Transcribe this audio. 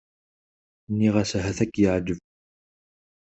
Nniɣ-as ahat ad k-yeεǧeb.